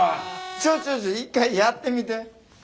ちょっとちょっと一回やってみて。